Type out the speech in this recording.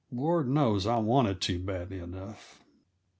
Lord knows I wanted to, badly enough!